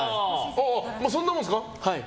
そんなもんですか？